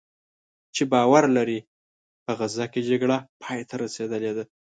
چې باور لري "په غزه کې جګړه پایته رسېدلې ده"